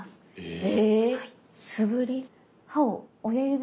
え